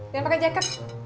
jangan pakai jaket